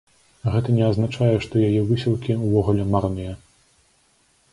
Гэта не азначае, што яе высілкі ўвогуле марныя.